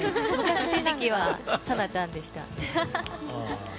一時期はＳＡＮＡちゃんでした。